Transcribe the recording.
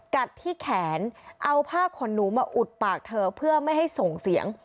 กัดที่แขนเอาผ้าขนหนูมาอุดปากเธอเพื่อไม่ให้ส่งเสียง